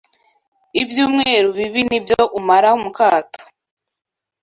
Ibyumweru bibi nibyo umara mukato